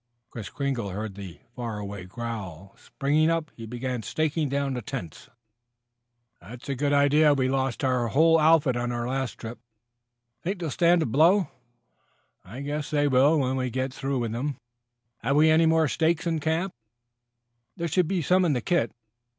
Kris Kringle heard the far away growl. Springing up, he began staking down the tents. "That's a good idea. We lost our whole outfit on our last trip. Think they'll stand a blow?" "I guess they will when I get through with them. Have we any more stakes in camp?" "There should be some in the kit."